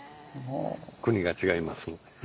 国が違いますので。